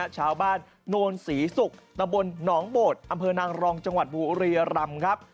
ชาวบ้านโนนศรีศุกร์ตำบลหนองโบดอำเภอนางรองจังหวัดบุรียรำครับ